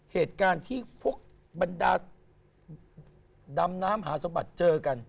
เหตุการณ์ที่พวกบรรดาดำน้ำหาสมบัติเจอกัน